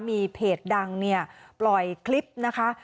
มีเพจดังเนี่ยปล่อยคลิปนะคะ